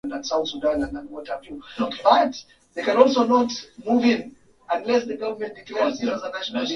baada ya kushudia timu yake ikicheza michezo minne